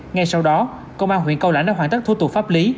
ngay sau đó công an huyện cao lãnh đã hoàn tất thủ tục pháp lý